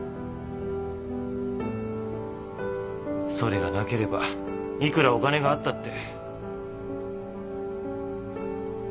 それがなければいくらお金があったって。